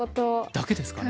だけですかね？